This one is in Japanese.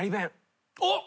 おっ。